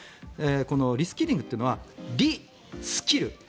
リスキリングというのはリ、スキル